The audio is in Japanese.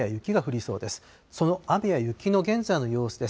その雨や雪の現在の様子です。